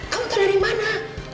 kau mau aparecer di mana